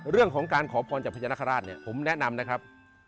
เรื่องของการขอพรจับพระเจนคราชผมแนะนำนะครับ